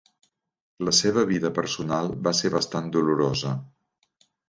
La seva vida personal va ser bastant dolorosa.